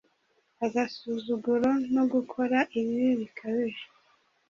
agasuzuguro no gukora ibibi bikabije.